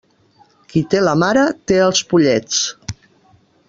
Qui té la mare, té els pollets.